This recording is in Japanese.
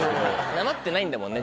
なまってないんだもんね